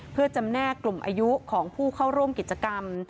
เพื่อจำแนกกลุ่มอายุของผู้เข้าร่วมกิจกรรม